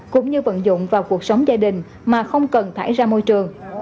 cũng như vận dụng vào cuộc sống gia đình mà không cần thải ra môi trường